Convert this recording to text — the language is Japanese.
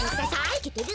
いけてる。